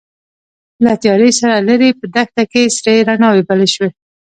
له تيارې سره ليرې په دښته کې سرې رڼاوې بلې شوې.